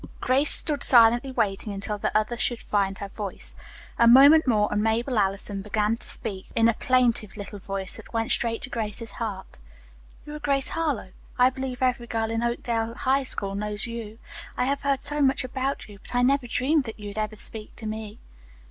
Grace stood silently waiting until the other should find her voice. A moment more and Mabel Allison began to speak in a plaintive little voice that went straight to Grace's heart: "You are Grace Harlowe. I believe every girl in Oakdale High School knows you. I have heard so much about you, but I never dreamed that you'd ever speak to me."